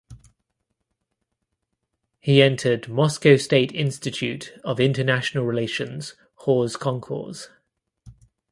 He entered Moscow State Institute of International Relations hors concours.